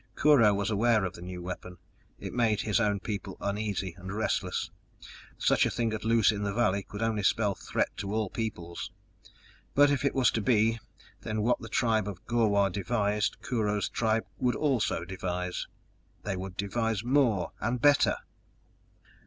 Kurho was aware of the new weapon; it made his own people uneasy and restless; such a thing at loose in the valley could only spell threat to all peoples! But, if it was to be, then what the tribe of Gor wah devised Kurho's tribe would also devise. They would devise more and better!